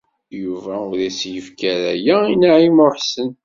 Yuba ur as-yefki ara aya i Naɛima u Ḥsen.